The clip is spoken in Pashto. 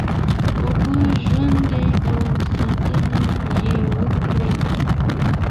اوبه ژوند دی او ساتنه یې وکړی